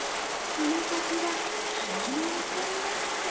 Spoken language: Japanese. この先は花の楽園ですって！